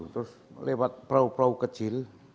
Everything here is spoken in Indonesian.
terus lewat perahu perahu kecil